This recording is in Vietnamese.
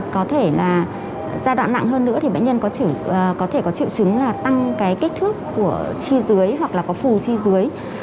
có thể là giai đoạn nặng hơn nữa thì bệnh nhân có thể có triệu chứng là tăng cái kích thước của chi dưới hoặc là có phù chi dưới